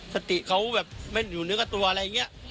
สติเขาแบบไม่อยู่เนื้อกับตัวอะไรอย่างนี้